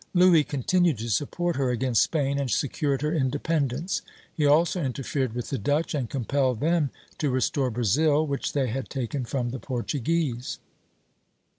Louis continued to support her against Spain, and secured her independence. He also interfered with the Dutch, and compelled them to restore Brazil, which they had taken from the Portuguese.